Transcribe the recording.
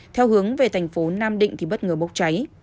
theo hướng về thành phố nam định thì bất ngờ bốc cháy